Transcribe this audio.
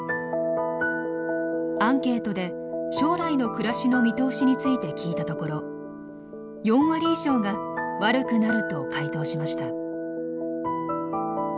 アンケートで将来の暮らしの見通しについて聞いたところ４割以上が悪くなると回答しました。